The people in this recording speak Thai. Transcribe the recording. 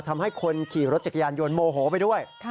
ทำให้คนขี่รถจักรยานยนต์โมโหไปด้วย